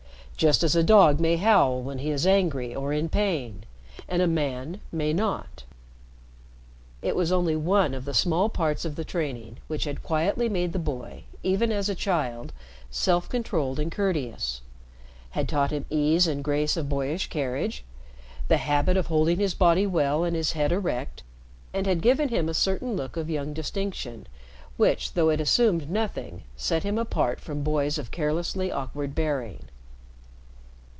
Just as a dog may howl when he is angry or in pain and a man may not." It was only one of the small parts of the training which had quietly made the boy, even as a child, self controlled and courteous, had taught him ease and grace of boyish carriage, the habit of holding his body well and his head erect, and had given him a certain look of young distinction which, though it assumed nothing, set him apart from boys of carelessly awkward bearing.